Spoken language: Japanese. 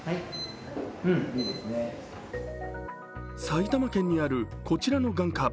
埼玉県にある、こちらの眼科。